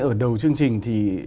ở đầu chương trình thì